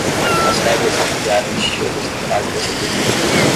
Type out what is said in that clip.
As regras que criaram o estilo estão quase destruídas.